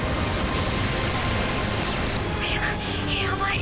ややばい